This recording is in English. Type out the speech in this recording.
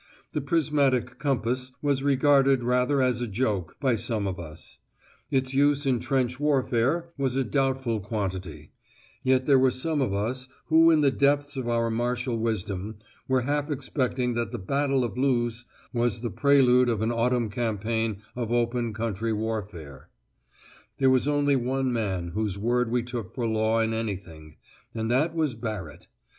The prismatic compass was regarded rather as a joke by some of us; its use in trench warfare was a doubtful quantity; yet there were some of us who in the depths of our martial wisdom were half expecting that the Battle of Loos was the prelude of an autumn campaign of open country warfare. There was only one man whose word we took for law in anything, and that was Barrett.